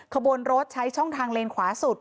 ขบวนรถใช้ช่องทางเลนขวาสุด